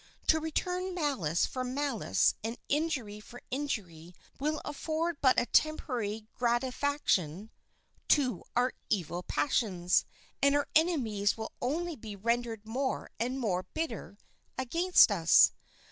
To return malice for malice and injury for injury will afford but a temporary gratification to our evil passions, and our enemies will only be rendered more and more bitter against us.